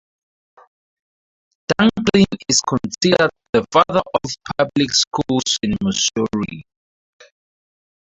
Dunklin is considered the "Father of Public Schools" in Missouri.